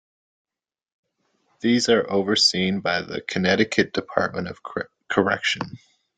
These are overseen by the Connecticut Department of Correction.